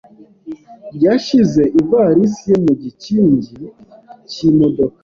yashyize ivalisi ye mu gikingi cy’imodoka.